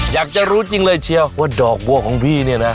อยากจะรู้จริงเลยเชียวว่าดอกบัวของพี่เนี่ยนะ